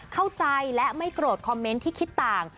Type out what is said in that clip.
เข้าใจและไม่โกรธคอมเมนต์ที่คิดต่าง